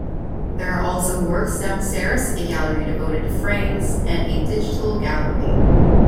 There are also works downstairs, a gallery devoted to frames, and a digital gallery.